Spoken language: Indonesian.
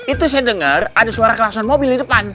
itu saya dengar ada suara kerasan mobil di depan